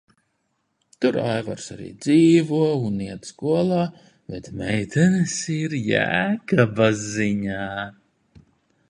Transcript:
Tur Aivars arī dzīvo un iet skolā, bet meitenes ir Jēkaba ziņā.